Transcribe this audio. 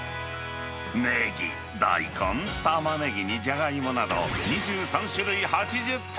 ネギ、大根、タマネギにジャガイモなど、２３種類８０点。